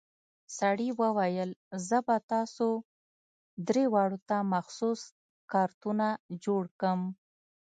سړي وويل زه به تاسو درې واړو ته مخصوص کارتونه جوړ کم.